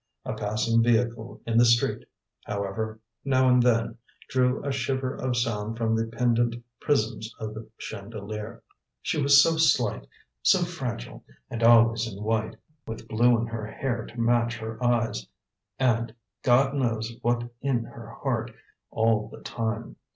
A passing vehicle in the street, however, now and then drew a shiver of sound from the pendent prisms of the chandelier. "She was so slight, so fragile, and always in white, with blue in her hair to match her eyes and God knows what in her heart, all the time.